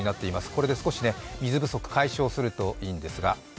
これで少し水不足、解消するといいんですが。